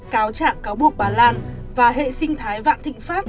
cáo trạng cáo buộc bà lan và hệ sinh thái vạn thịnh pháp